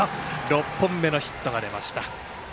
６本目のヒットが出ました。